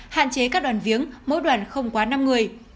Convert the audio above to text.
hạn chế các đoàn viếng mỗi đoàn không quá năm người